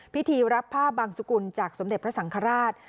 พิธีรับผ้าบางสุกุลจากสมเด็จพระสังฆราช